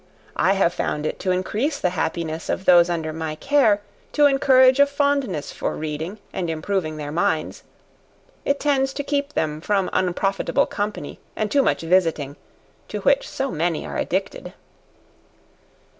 I have found it to increase the happiness of those under my care, to encourage a fondness for reading, and improving their minds; it tends to keep them from unprofitable company, and too much visiting, to which so many are addicted.